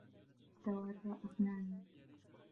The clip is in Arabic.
ذَوَاتَا أَفْنَانٍ